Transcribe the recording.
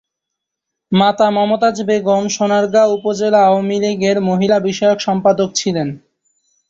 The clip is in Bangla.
মাতা মমতাজ বেগম সোনারগাঁ উপজেলা আওয়ামী লীগের মহিলা বিষয়ক সম্পাদক ছিলেন।